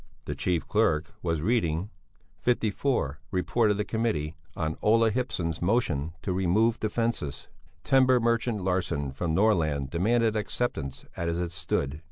The chief clerk was reading: 54. Report of the Committee on Ola Hipsson's motion to remove the fences. Timber merchant Larsson from Norrland demanded acceptance as it stood.